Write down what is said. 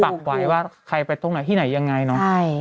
ฉะนั้นถ้าอย่างนั้นเค้าถามว่าใครไปที่ไหนที่ไหนอย่างไร